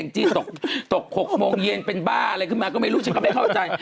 จี้ตก๖โมงเย็นเป็นบ้าอะไรขึ้นมาก็ไม่รู้ฉันก็ไม่เข้าใจ